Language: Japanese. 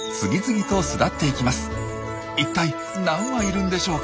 一体何羽いるんでしょうか？